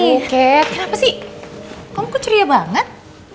aduh kat kenapa sih kamu kok curia banget